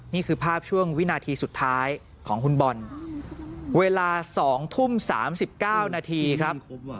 นี่คือภาพช่วงวินาทีสุดท้ายของคุณบอลเวลา๒ทุ่ม๓๙นาทีครับ